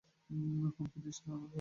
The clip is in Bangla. হুমকি দিস না, পরে পস্তাবি!